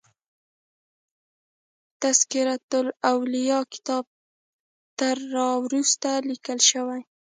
تذکرة الاولیاء کتاب تر را وروسته لیکل شوی.